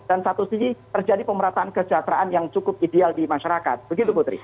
dan satu sisi terjadi pemerataan kesejahteraan yang cukup ideal di masyarakat begitu putri